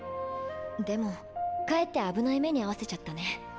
でもかえって危ない目に遭わせちゃったね。